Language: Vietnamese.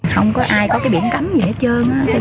không có ai có cái biển cắm gì hết trơn